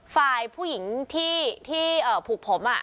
ฝ่ายผู้หญิงที่ผูกผม